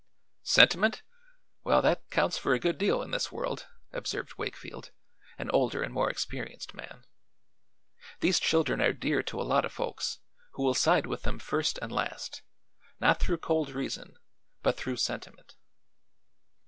"Sentiment? Well, that counts for a good deal in this world," observed Wakefield, an older and more experienced man. "These children are dear to a lot of folks, who will side with them first and last; not through cold reason, but through sentiment."